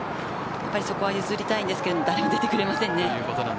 そこは譲りたいですが誰も出てくれません。